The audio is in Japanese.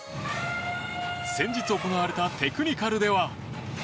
先日行われたテクニカルでは。